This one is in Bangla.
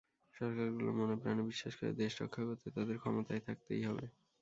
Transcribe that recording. সরকারগুলো মনে–প্রাণে বিশ্বাস করে, দেশ রক্ষা করতে তাদের ক্ষমতায় থাকতেই হবে।